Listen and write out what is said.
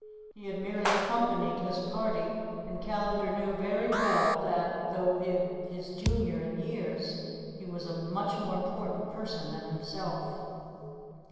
He had merely accompanied his party, and Callandar knew very well that, though his junior in years, he was a much more important person than himself.